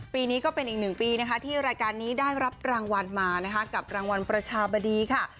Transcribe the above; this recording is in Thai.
ปีนี้ก็เป็นอีกหนึ่งปีนะคะที่รายการนี้ได้รับรางวัลมานะคะกับรางวัลประชาบดีค่ะ